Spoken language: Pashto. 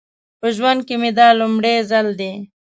په ژوند کې مې دا لومړی ځل دی.